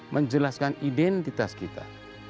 menjelaskan identitas kita